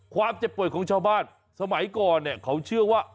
ความเจ็บป่วยของชาวบ้านสมัยก่อนเขาเชื่อว่า